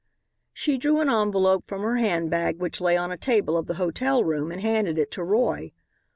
She drew an envelope from her handbag which lay on a table of the hotel room and handed it to Roy.